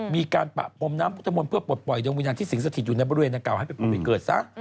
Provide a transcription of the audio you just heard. มีการปะพรมน้ำพุทธมนต์เพื่อปลดปล่อยดวงวิญญาณที่สิงสถิตอยู่ในบริเวณดังกล่าให้ไปเกิดซะ